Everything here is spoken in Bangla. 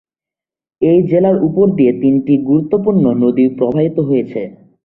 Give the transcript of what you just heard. এই জেলার উপর দিয়ে তিনটি গুরুত্বপূর্ণ নদী প্রবাহিত হয়েছে।